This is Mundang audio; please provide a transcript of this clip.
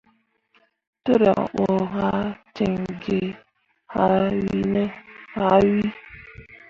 Tǝrwaŋ bo ah cin gi haa yĩĩ.